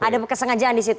ada kesengajaan di situ